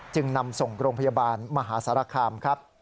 จึงนำส่งโรงพยาบาลมหาสารคามครับ